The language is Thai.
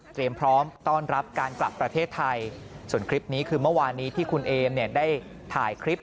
พร้อมต้อนรับการกลับประเทศไทยส่วนคลิปนี้คือเมื่อวานนี้ที่คุณเอมเนี่ยได้ถ่ายคลิป